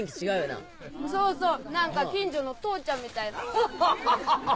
そうそうなんか近所の父ちゃんみたいハハハハハ！